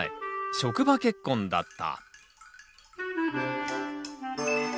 職場結婚だった。